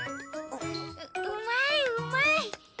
ううまいうまい。